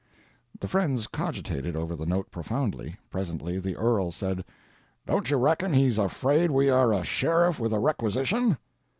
The friends cogitated over the note profoundly. Presently the earl said: "Don't you reckon he's afraid we are a sheriff with a requisition?"